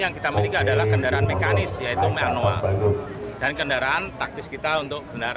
yang kita mendika adalah kendaraan mekanis yaitu mahasiswa dan kendaraan faktis kita untuk kendall